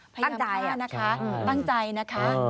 พยายามฆ่านะคะตั้งใจนะคะ